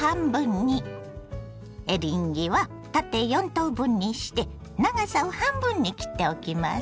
エリンギは縦４等分にして長さを半分に切っておきます。